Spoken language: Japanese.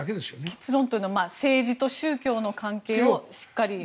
結論というのは政治と宗教の関係をしっかり見ると。